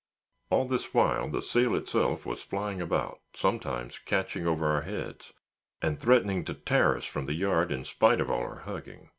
All this while the sail itself was flying about, sometimes catching over our heads, and threatening to tear us from the yard in spite of all our hugging.